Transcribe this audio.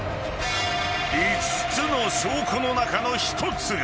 ［５つの証拠の中の１つが］